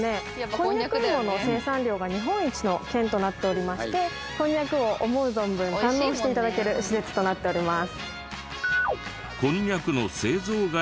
こんにゃく芋の生産量が日本一の県となっておりましてこんにゃくを思う存分堪能して頂ける施設となっております。